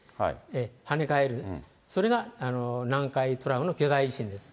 跳ね返る、それが南海トラフの巨大地震です。